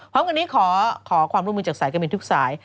พร้อมกันนี้ขอความร่วมมือจากสายการบินทุกสาย